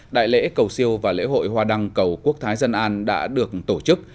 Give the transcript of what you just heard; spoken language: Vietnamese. đại lễ cầu siêu và lễ hội hoa đăng cầu quốc thái dân an đã được tổ chức